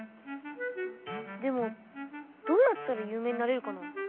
でもどうやったらゆう名になれるかな？